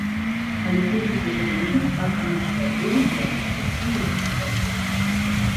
Але тут усё залежыць ад ініцыятывы беларускіх універсітэтаў.